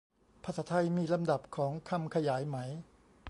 ภาษาไทยมีลำดับของคำขยายไหม